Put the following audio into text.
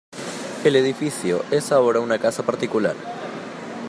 El edificio es ahora una casa particular.